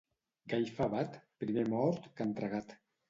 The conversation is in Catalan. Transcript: Gall favat, primer mort que entregat.